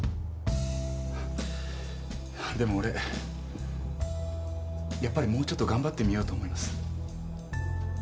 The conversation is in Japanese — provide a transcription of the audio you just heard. でも俺やっぱりもうちょっと頑張ってみようと思います。